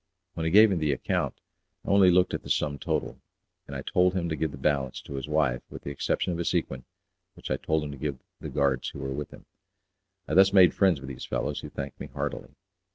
When he gave me the account I only looked at the sum total, and I told him to give the balance to his wife with the exception of a sequin, which I told him to give the guards who were with him. I thus made friends with these fellows, who thanked me heartily.